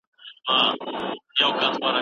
د انګریزي کلمې په علمي بحثونو کي کارول کېږي.